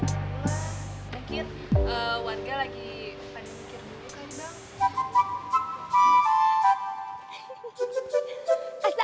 mungkin warga lagi pengen bikin buku kali bang